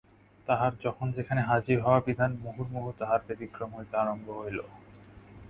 তাহার যখন যেখানে হাজির হওয়া বিধান, মুহুর্মুহু তাহার ব্যতিক্রম হইতে আরম্ভ হইল।